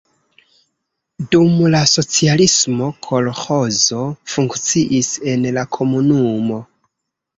Dum la socialismo kolĥozo funkciis en la komunumo.